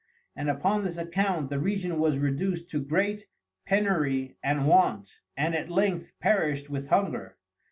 And upon this Account the Region was reduced to great penury and want, and at length perished with Hunger.